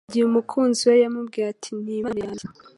igihe umukunzi we yamubwiye ati Nimpano yanjye